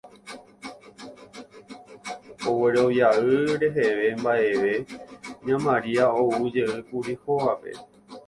Oguerovia'ỹ reheve mba'eve ña Maria oujeýkuri hógape